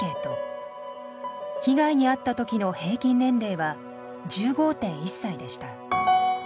被害に遭った時の平均年齢は１５．１歳でした。